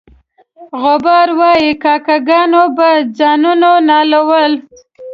غبار وایي کاکه ګانو به ځانونه نالول.